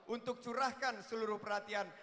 untuk curahkan seluruh perhatian